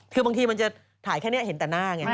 คือบางทีมันจะถ่ายแค่นี้เห็นแต่หน้าไง